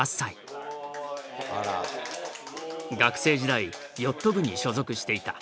学生時代ヨット部に所属していた。